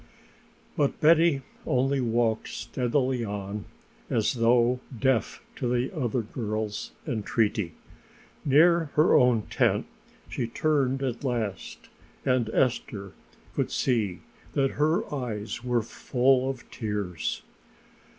But Betty only walked steadily on as though deaf to the other girl's entreaty. Near her own tent she turned at last and Esther could see that her eyes were full of tears.